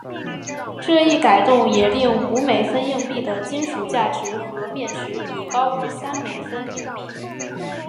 这一改动也令五美分硬币的金属价值和面值比高于三美分硬币。